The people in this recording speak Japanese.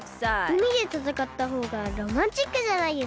うみでたたかったほうがロマンチックじゃないですか？